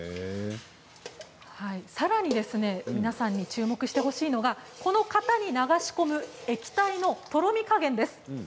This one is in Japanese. さらに皆さんに注目してほしいのがこの型に流し込む液体のとろみ加減です。